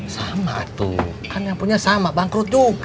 sama tuh kan yang punya sama bangkrut juga